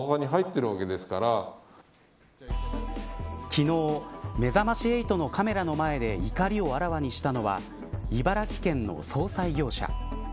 昨日、めざまし８のカメラの前で怒りをあらわにしたのは茨城県の葬祭業者。